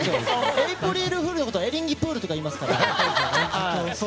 エイプリルフールのことエリンギプールって言ってましたからね。